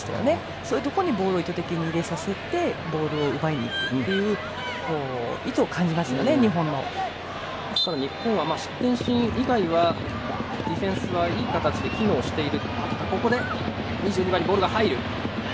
そういうところにボールを意図的に入れさせてボールを奪いにいくという日本は失点シーン以外はディフェンスはいい形で機能している。